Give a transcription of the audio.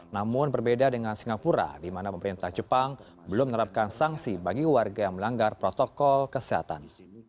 namun berbeda dengan singapura di mana pemerintah jepang belum menerapkan sanksi bagi warga yang melanggar protokol kesehatan